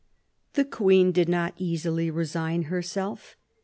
The Queen did not easily resign herself.